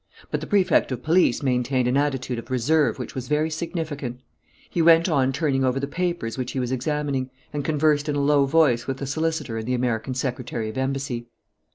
But the Prefect of Police maintained an attitude of reserve which was very significant. He went on turning over the papers which he was examining and conversed in a low voice with the solicitor and the American Secretary of Embassy.